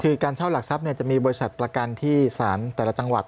คือการเช่าหลักทรัพย์จะมีบริษัทประกันที่สารแต่ละจังหวัด